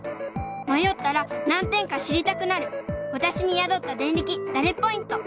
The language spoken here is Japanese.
まよったら何点か知りたくなるわたしにやどったデンリキダレッポイント